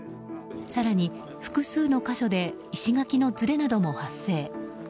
更に、複数の箇所で石垣のずれなども発生。